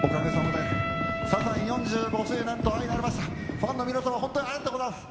ファンの皆様本当、ありがとうございます。